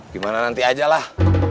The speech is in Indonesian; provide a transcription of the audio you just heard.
gimana nanti ajalah